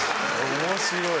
面白い。